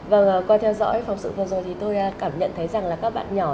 vâng qua theo dõi phóng sự vừa rồi thì tôi cảm nhận thấy rằng là các em có thể đi vào trong rừng